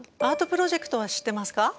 アートプロジェクトは知ってますか？